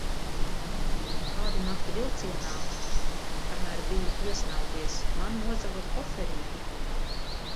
Kādu nakti vilcienā, kamēr biju iesnaudies, man nozaga koferīti.